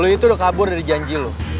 lo itu udah kabur dari janji lo